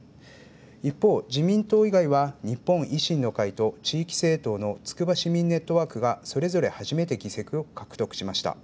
一方、自民党以外は日本維新の会と地域政党のつくば・市民ネットワークがそれぞれ初めて議席を獲得しました。